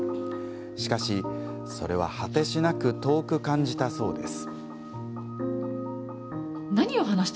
しかし、それは果てしなく遠く感じたといいます。